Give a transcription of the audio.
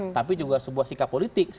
tapi juga sebuah sikap politik